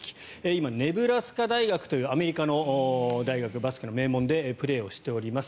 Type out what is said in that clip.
今、ネブラスカ大学というアメリカの大学バスケの名門でプレーをしております。